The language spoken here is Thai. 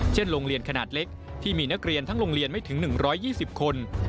โรงเรียนขนาดเล็กที่มีนักเรียนทั้งโรงเรียนไม่ถึง๑๒๐คน